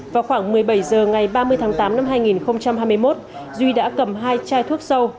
vào khoảng một mươi bảy h ngày ba mươi tháng tám năm hai nghìn hai mươi một duy đã cầm hai chai thuốc sâu